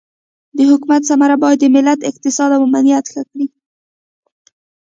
د حکومت ثمر باید د ملت اقتصاد او امنیت ښه کړي.